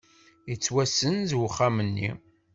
Yettwasenz uxxam-nni.